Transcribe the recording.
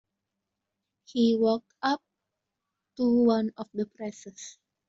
He walked up to one of the presses.